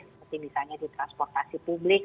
seperti misalnya di transportasi publik